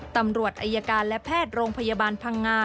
ตำรวจอายการและแพทย์โรงพยาบาลพังงา